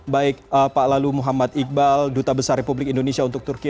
baik pak lalu muhammad iqbal duta besar republik indonesia untuk turki